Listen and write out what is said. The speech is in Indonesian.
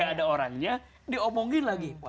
gak ada orangnya diomongin lagi